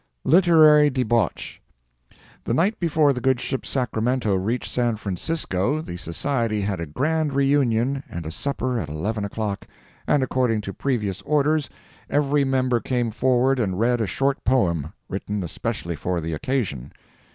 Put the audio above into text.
LITERARY DEBAUCH. The night before the good ship "Sacramento" reached San Francisco, the Society had a grand reunion and a supper at eleven o'clock, and according to previous orders, every member came forward and read a short poem, written especially for the occasion.